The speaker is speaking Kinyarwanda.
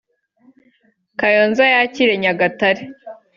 Kayonza yakire Nyagatare